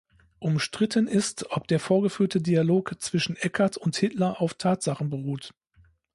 Umstritten ist, ob der vorgeführte Dialog zwischen Eckart und Hitler auf Tatsachen beruht.